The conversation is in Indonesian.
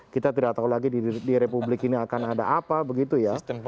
kita tidak tahu lagi di republik ini akan ada apa begitu ya